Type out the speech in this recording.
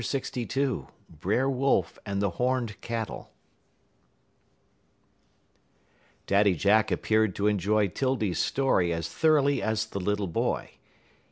LXII BRER WOLF AND THE HORNED CATTLE Daddy Jack appeared to enjoy 'Tildy's story as thoroughly as the little boy.